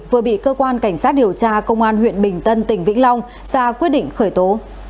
vừa bị cơ quan cảnh sát điều tra công an huyện bình tân tỉnh vĩnh long ra quyết định khởi tố